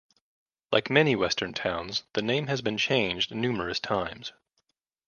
Like most western towns, the name has been changed numerous times.